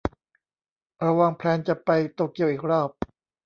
เราวางแพลนจะไปโตเกียวอีกรอบ